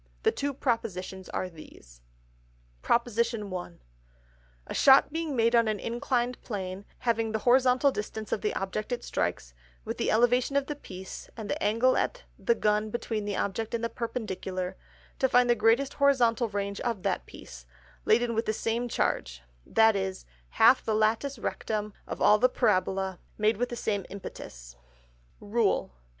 The two Propositions are these. PROP. I. A Shot being made on an inclined Plane, having the Horizontal Distance of the Object it strikes, with the Elevation of the Piece, and the Angle at the Gun between the Object and the Perpendicular; to find the greatest Horizontal Range of that Piece, laden with the same Charge; that is, half the Latus rectum of all the Parabolæ made with the same Impetus. _RULE.